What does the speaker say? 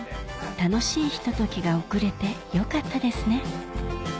楽しいひとときが送れてよかったですね